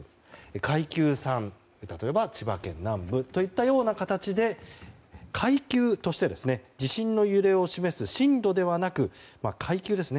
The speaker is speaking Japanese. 階級３、例えば千葉県南部といったような形で階級として地震の揺れを示す震度ではなく階級ですね。